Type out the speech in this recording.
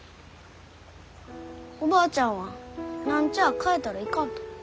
おばあちゃんは何ちゃあ変えたらいかんと。